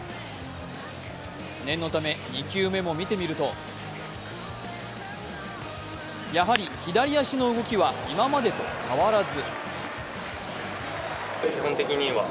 念のため、２球目も見てみるとやはり左足の動きは今までと変わらず。